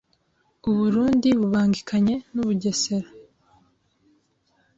uburundi bubangikanye n’u Bugesera,